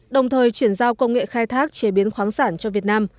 đồng thời chuyển giao công nghệ khai thác chế biến khoáng sản cho việt nam